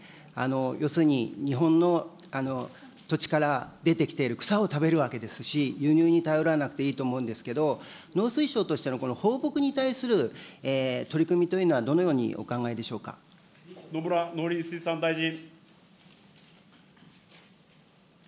要するに、日本の土地から出てきている草を食べるわけですし、輸入に頼らなくていいと思うんですけれども、農水省としての放牧に対する取り組みというのは、どのようにお考野村農林水産大臣。